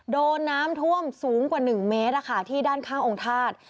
โดนน้ำท่วมสูงกว่า๑เมตรที่ด้านข้างองค์ธาตุ